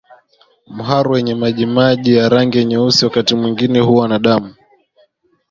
Mharo wenye majimaji ya rangi nyeusi wakati mwingine huwa na damu